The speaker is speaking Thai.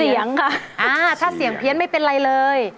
เสียงค่ะอ่าถ้าเสียงเพี้ยนไม่เป็นไรเลย